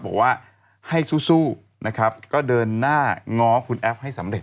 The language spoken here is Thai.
บอกว่าให้สู้นะครับก็เดินหน้าง้อคุณแอฟให้สำเร็